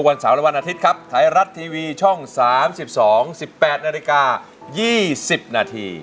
วันเสาร์และวันอาทิตย์ครับไทยรัฐทีวีช่อง๓๒๑๘นาฬิกา๒๐นาที